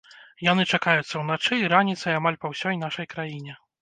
Яны чакаюцца ўначы і раніцай амаль па ўсёй нашай краіне.